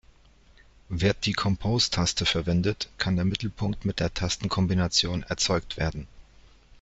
Wird die Compose-Taste verwendet, kann der Mittelpunkt mit der Tastenkombination erzeugt werden.